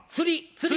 釣り！